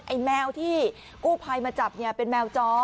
ไอ้แมวที่กู้ภัยมาจับเป็นแมวจร